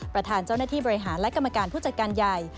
ประธานเจ้าหน้าที่บริหารและกรรมการผู้จัดการใหญ่